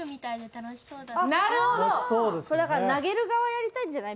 これだから投げる側やりたいんじゃない？